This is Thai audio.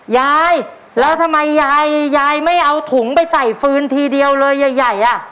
ยายแล้วทำไมยายยายไม่เอาถุงไปใส่ฟืนทีเดียวเลยใหญ่อ่ะ